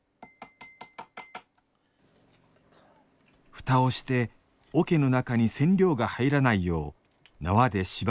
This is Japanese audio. ふたをして桶の中に染料が入らないよう縄で縛っていきます